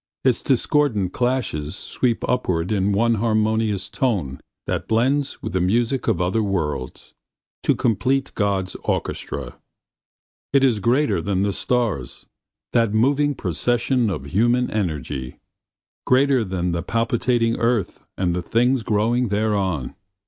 Its discordant clashes sweep upward in one harmonious tone that blends with the music of other worlds—to complete God's orchestra. It is greater than the stars—that moving procession of human energy; greater than the palpitating earth and the things growing thereon.